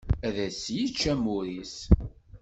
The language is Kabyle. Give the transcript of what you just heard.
Ad as-yečč amur-is.